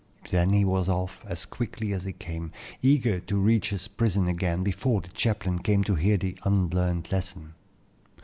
Then he was off as quickly as he came, eager to reach his prison again before the chaplain came to hear the unlearned lesson.